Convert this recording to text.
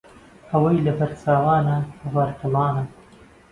ئەوەی لەبەر چاوانە، لەبەر دڵانە